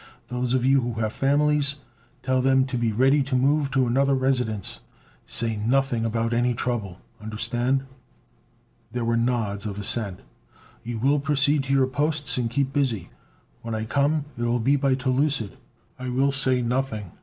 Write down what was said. Those of you who have families, tell them to be ready to move to another residence. Say nothing about any trouble understand?" There were nods of assent. "You will proceed to your posts and keep busy. When I come it'll be by telucid. I will say nothing.